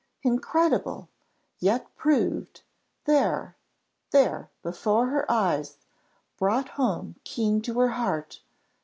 "Incredible yet proved there there before her eyes brought home keen to her heart!